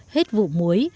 hết vụ muối